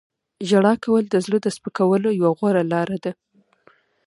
• ژړا کول د زړه د سپکولو یوه غوره لاره ده.